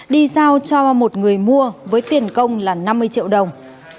đi giao cho một người mua với tiền công là năm mươi triệu đồng